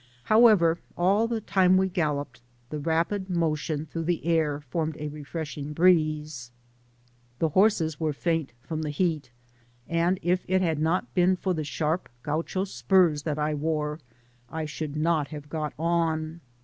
However, all the time we galloped, the Digitized byGoogk ^68 THE PAMPAS. rapid motion through the air formed a refreshing breeze. The horses were faint from the heat, and if it had not been for the sharp Gaucho spurs that I wore I should not have got on.